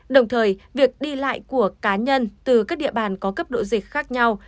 đồng thời việc đi lại của cá nhân từ các địa bàn có cấp độ dịch khác nhau